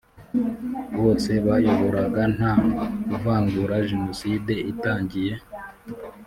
bose yayoboraga nta kuvangura Jenoside itangiye